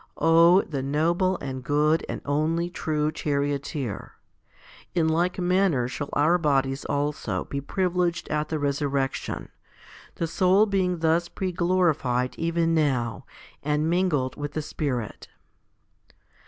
Oh, the noble and good and only true Charioteer ! In like manner shall our bodies also be privileged at the resurrection, the soul being thus pre glorified even now, and mingled with the Spirit.